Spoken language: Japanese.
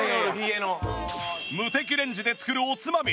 ムテキレンジで作るおつまみ